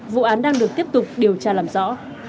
vụ án đang được tiếp tục điều tra làm rõ